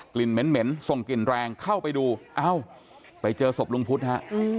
เหม็นส่งกลิ่นแรงเข้าไปดูเอ้าไปเจอศพลุงพุทธฮะ